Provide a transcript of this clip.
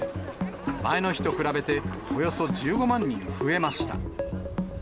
前の日と比べておよそ１５万人増えました。